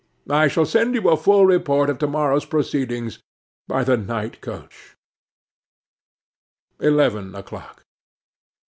I shall send you a full report of to morrow's proceedings by the night coach.' 'Eleven o'clock.